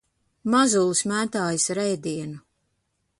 Mazulis mētājas ar ēdienu.